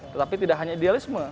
tetapi tidak hanya idealisme